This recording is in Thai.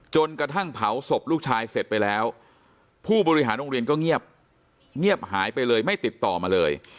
จนกระทั่งเผาศพลูกชายเสร็จไปแล้วผู้บริหารโรงเรียนก็เงียบเงียบหายไปเลยไม่ติดต่อมาเลย